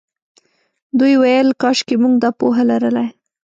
دوی ویل کاشکې موږ دا پوهه لرلای.